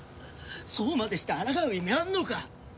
そうまでして抗う意味あんのか？